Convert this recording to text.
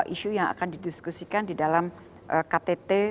isu yang akan didiskusikan di dalam ktt